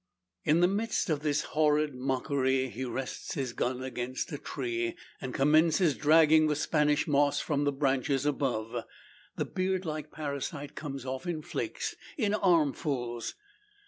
In the midst of this horrid mockery, he rests his gun against a tree, and commences dragging the Spanish moss from the branches above. The beard like parasite comes off in flakes in armfuls.